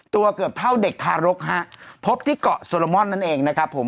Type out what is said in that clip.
เกือบเท่าเด็กทารกฮะพบที่เกาะโซโลมอนนั่นเองนะครับผม